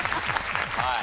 はい。